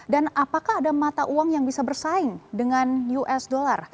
dan apakah ada mata uang yang bisa bersaing dengan us dollar